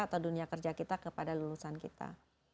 atau dunia kerja kita kepada lulusan kita